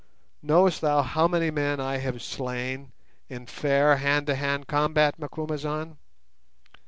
Knowest thou how many men I have slain, in fair hand to hand combat, Macumazahn?